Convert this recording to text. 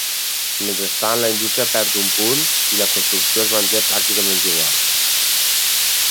Mentrestant, la indústria perd un punt i la construcció es manté pràcticament igual.